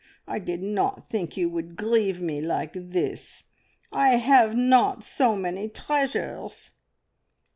I did not think you would grieve me like this. I have not so many treasures!"